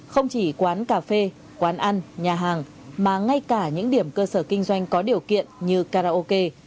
không chỉ quán cà phê quán ăn nhà hàng mà ngay cả những điểm cơ sở kinh doanh có điều kiện như karaoke